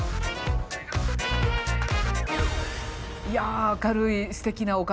いや明るいすてきなＯＫＭ８。